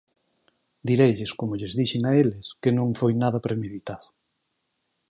Direilles, como lles dixen a eles, que non foi nada premeditado.